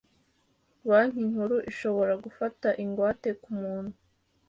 banki nkuru ishobora gufata ingwate kumuntu